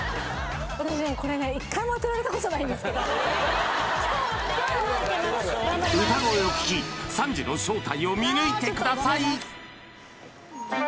私これね歌声を聴きサンジの正体を見抜いてください